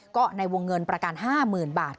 ก็ในวงเงินประกัน๕๐๐๐บาท